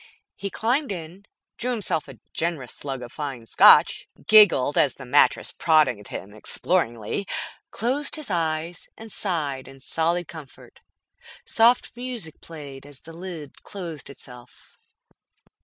He climbed in, drew himself a generous slug of fine Scotch, giggled as the mattress prodded him exploringly, closed his eyes and sighed in solid comfort. Soft music played as the lid closed itself.